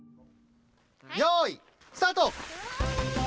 よいスタート！